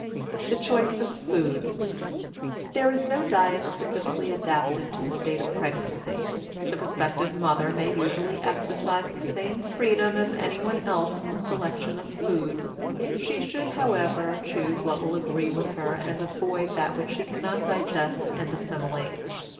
THE CHOICE OF FOOD. There is no diet specifically adapted to the state of pregnancy; the prospective mother may usually exercise the same freedom as anyone else in the selection of food. She should, however, choose what will agree with her and avoid that which she cannot digest and assimilate.